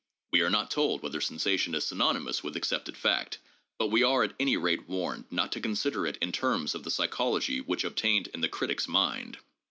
We are not told whether sensation is synonymous with accepted fact, but we are at any rate warned not to consider it "in terms of the psychology which obtained in the critic's mind.""